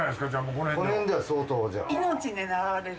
この辺では相当じゃあ。